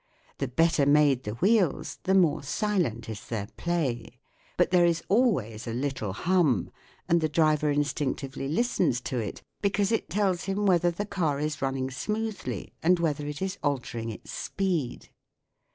The better made the wheels, the more silent is their play. But there is always a little hum, and the driver instinctively listens to it because it tells him whether the car is running smoothly and whether it is altering its speed.